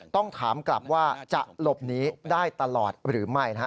ต้องถามกลับว่าจะหลบหนีได้ตลอดหรือไม่นะฮะ